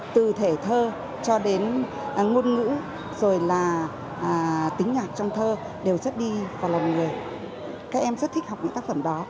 từ thể thơ cho đến ngôn ngữ rồi là tính nhạc trong thơ đều rất đi và là người các em rất thích học những tác phẩm đó